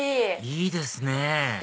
いいですね